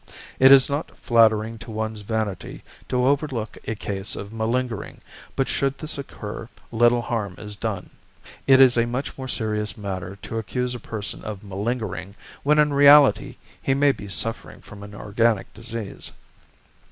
It is not flattering to one's vanity to overlook a case of malingering, but should this occur little harm is done. It is a much more serious matter to accuse a person of malingering when in reality he may be suffering from an organic disease.